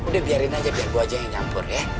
udah biarin aja biar buah aja yang nyampur ya